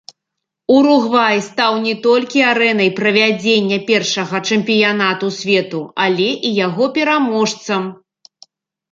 Уругвай стаў не толькі арэнай правядзення першага чэмпіянату свету, але і яго пераможцам.